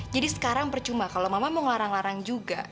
jadi sekarang percuma kalau mama mau ngelarang larang juga